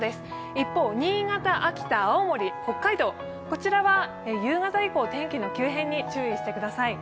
一方、新潟、秋田、青森、北海道は夕方以降天気の急変に注意してください。